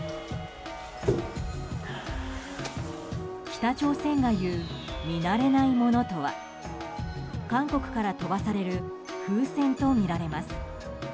北朝鮮が言う見慣れないものとは韓国から飛ばされる風船とみられます。